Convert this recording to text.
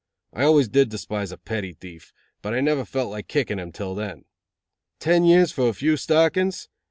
I always did despise a petty thief, but I never felt like kicking him till then. Ten years for a few stockings!